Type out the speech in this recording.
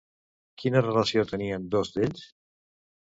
Quina relació tenien dos d'ells?